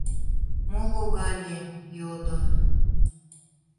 — Мо логале? — йодо.